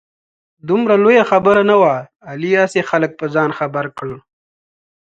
دومره لویه خبره نه وه. علي هسې خلک په ځان خبر کړ.